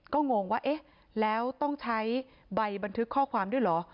ก็งงว่าเอ๊ะแล้วต้องใช้ใบบันทึกข้อความด้วยเหรอ